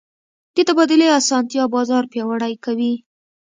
د تبادلې اسانتیا بازار پیاوړی کوي.